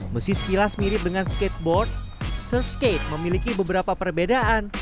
meski sekilas mirip dengan skateboard surfskate memiliki beberapa perbedaan